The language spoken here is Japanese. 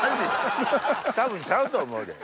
多分ちゃうと思うで。